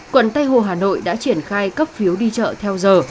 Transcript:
quận tây hồ hà nội đã triển khai cấp phiếu đi chợ theo giờ